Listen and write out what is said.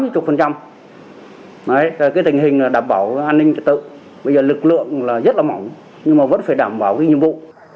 cái tình hình đảm bảo an ninh trật tự bây giờ lực lượng là rất là mỏng nhưng mà vẫn phải đảm bảo cái nhiệm vụ